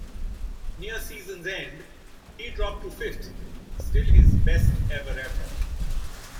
Near season's end, he dropped to fifth, still his best ever effort.